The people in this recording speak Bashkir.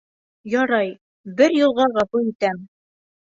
Ярай, бер юлға ғәфү итәм.